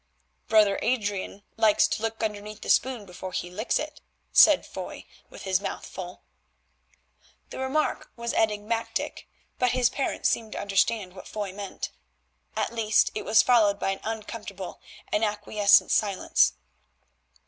"Brother Adrian likes to look underneath the spoon before he licks it," said Foy with his mouth full. The remark was enigmatic, but his parents seemed to understand what Foy meant; at least it was followed by an uncomfortable and acquiescent silence.